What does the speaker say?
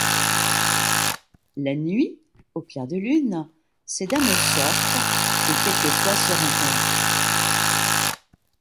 La nuit, au clair de lune, ces dames sortent, et quelquefois se rencontrent.